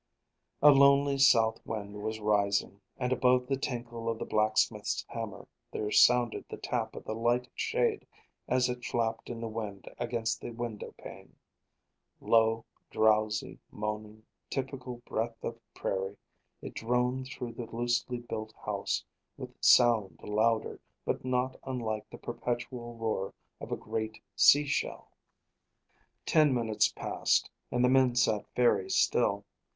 A lonely south wind was rising, and above the tinkle of the blacksmith's hammer there sounded the tap of the light shade as it flapped in the wind against the window pane. Low, drowsy, moaning, typical breath of prairie, it droned through the loosely built house, with sound louder, but not unlike the perpetual roar of a great sea shell. Ten minutes passed, and the men sat very still.